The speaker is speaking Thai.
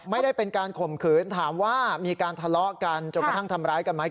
ไม่ได้เป็นการข่มขืนถามว่ามีการทะเลาะกันจนกระทั่งทำร้ายกันไหม